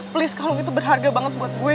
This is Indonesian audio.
please kalau itu berharga banget buat gue